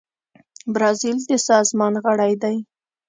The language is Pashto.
برازیل د سازمان غړی دی.